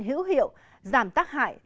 hữu hiệu giảm tác hại